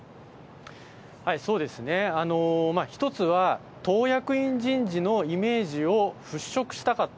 そうですね、一つは党役員人事のイメージを払拭したかった。